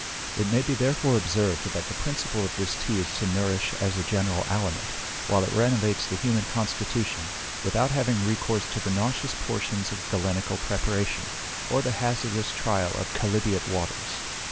It may be therefore observed, that the principle of this tea is to nourish as a general aliment, while it renovates the human constitution, without having recourse to the nauseous portions of galenical preparation, or the hazardous trial of chalybeate waters.